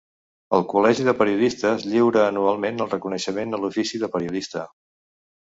El Col·legi de Periodistes lliura anualment el reconeixement a l'Ofici de Periodista.